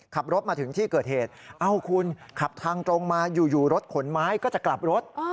ขับรถมาถึงที่เกิดเหตุเอ้าคุณขับทางตรงมาอยู่รถขนไม้ก็จะกลับรถ